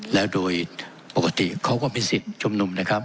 แล้วโดยปกติเขาก็มีสิทธิ์ชุมนุมนะครับ